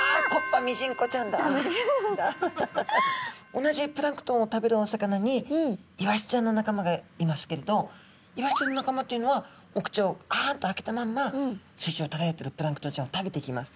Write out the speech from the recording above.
同じプランクトンを食べるお魚にイワシちゃんの仲間がいますけれどイワシちゃんの仲間というのはお口をあんと開けたまんま水中をただっているプランクトンちゃんを食べていきます。